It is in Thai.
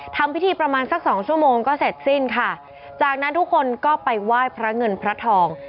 ทำพิธีประมาณสักสองชั่วโมงก็เสร็จสิ้นค่ะจากนั้นทุกคนก็ไปไหว้พระเงินพระทอง